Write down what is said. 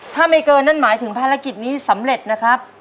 ถ้าไม่เกินนั่นหมายถึงภารกิจนี้สำเร็จนะครับ